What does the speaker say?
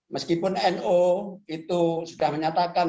meskipun no itu sudah menyatakan